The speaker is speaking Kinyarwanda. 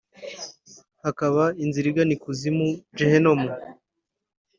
hakaba inzira igana ikuzimu Gihenomu (Géhenne